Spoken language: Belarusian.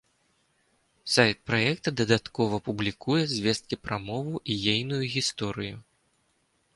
Сайт праекта дадаткова публікуе звесткі пра мову і ейную гісторыю.